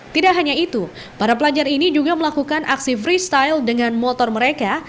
tidak hanya itu para pelajar ini juga melakukan aksi freestyle dengan motor mereka